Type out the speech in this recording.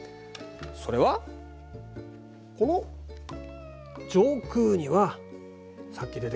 それはこの上空にはさっき出てきましたね